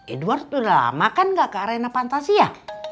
edward udah lama kan gak ke arena fantasi ya